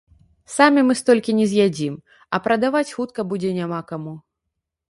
Самі мы столькі не з'ядзім, а прадаваць хутка будзе няма каму.